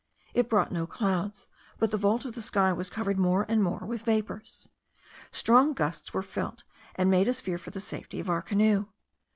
It brought no clouds, but the vault of the sky was covered more and more with vapours. Strong gusts were felt, and made us fear for the safety of our canoe.